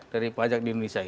dari pajak di indonesia